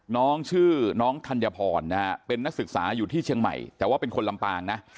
น้องชื่อน้องธัญพรนะฮะเป็นนักศึกษาอยู่ที่เชียงใหม่แต่ว่าเป็นคนลำปางนะ